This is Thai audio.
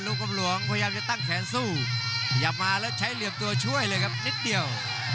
กำหลวงพยายามจะตั้งแขนสู้ขยับมาแล้วใช้เหลี่ยมตัวช่วยเลยครับนิดเดียว